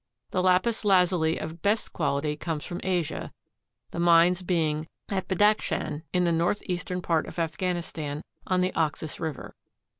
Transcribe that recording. The lapis lazuli of best quality comes from Asia, the mines being at Badakschan in the northeastern part of Afghanistan on the Oxus river.